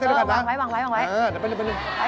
เออวางไว้